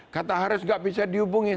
kata haris gak bisa dihubungin